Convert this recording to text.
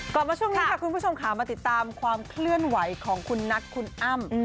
กลับมาช่วงนี้ค่ะคุณผู้ชมค่ะมาติดตามความเคลื่อนไหวของคุณนัทคุณอ้ำ